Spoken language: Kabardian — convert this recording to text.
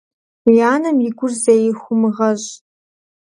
Уи анэм и гур зэи хумыгъэщӏ.